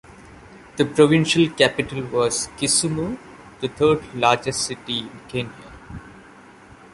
The provincial capital was Kisumu, the third-largest city in Kenya.